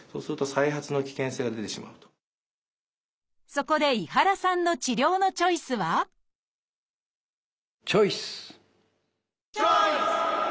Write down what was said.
そこで井原さんの治療のチョイスはチョイス！